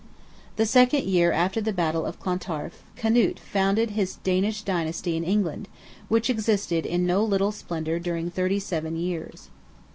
The second year after the battle of Clontarf, Canute founded his Danish dynasty in England, which existed in no little splendour during thirty seven years.